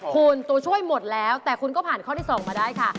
คุณตัวช่วยหมดแล้วแต่คุณก็ผ่านข้อที่๒มาได้ค่ะ